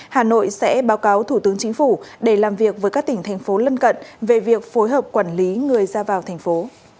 hà nội sẽ báo cáo thủ tướng chính phủ để làm việc với các tỉnh thành phố lân cận về việc phối hợp quản lý người ra vào thành phố